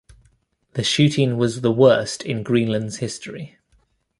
The shooting was the worst in Greenland's history.